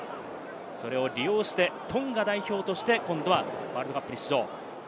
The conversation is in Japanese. それを利用してトンガ代表として今度はワールドカップに出場。